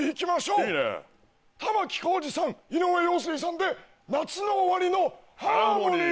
玉置浩二さん井上陽水さんで『夏の終りのハーモニー』。